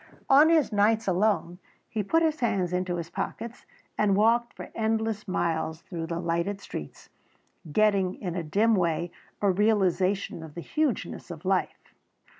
On his nights alone, he put his hands into his pockets and walked for endless miles through the lighted streets, getting in a dim way a realisation of the hugeness of life.